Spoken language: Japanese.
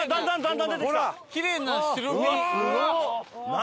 何？